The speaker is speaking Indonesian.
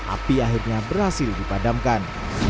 api akhirnya berhasil dipadamkan